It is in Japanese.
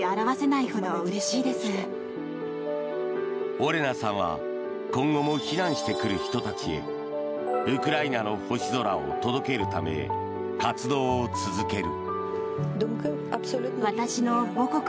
オレナさんは今後も避難してくる人たちへウクライナの星空を届けるため活動を続ける。